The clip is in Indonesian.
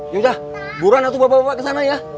yaudah buruan atuh bapak bapak ke sana ya